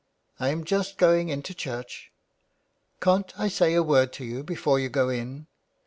''" I am just going into church." '' Can't I say a word to you before you go in."